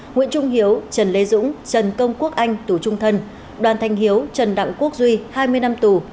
nguyễn trung hiếu trần lê dũng trần công quốc anh tù trung thân đoàn thanh hiếu trần đặng quốc duy hai mươi năm tù